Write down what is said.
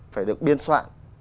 phải được biên soạn